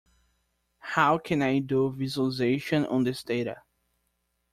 How can I do visualization on this data?